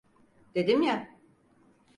Dedim ya.